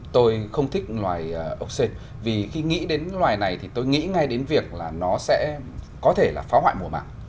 tôi không thích loài ốc sen vì khi nghĩ đến loài này thì tôi nghĩ ngay đến việc là nó sẽ có thể phá hoại mùa mạng